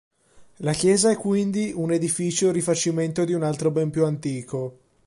La chiesa è quindi un edificio rifacimento di un altro ben più antico.